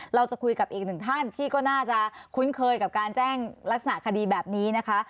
เราจะคุยกับอีกหนึ่งท่านที่ก็น่าจะคุ้นเคยกับการแจ้งลักษณะคดีแบบนี้นะคะ